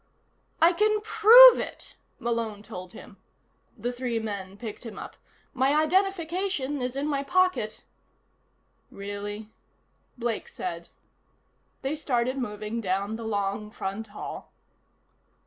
"I can prove it!" Malone told him. The three men picked him up. "My identification is in my pocket " "Really?" Blake said. They started moving down the long front hall.